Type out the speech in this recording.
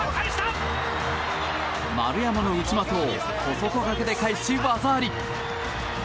丸山の内股を小外掛けで返し、技あり。